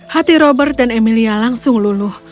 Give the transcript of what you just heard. hati robert dan emilia langsung luluh